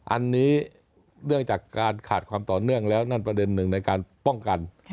อันนี้เนื่องจากการขาดความต่อเนื่องแล้วนั่นประเด็นหนึ่งในการป้องกัน